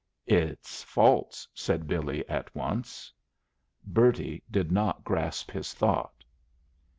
"It's false," said Billy, at once. Bertie did not grasp his thought.